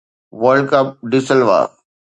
world Cup de سلوا